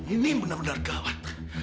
ini benar benar gawat